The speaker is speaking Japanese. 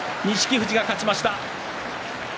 富士が勝ちました。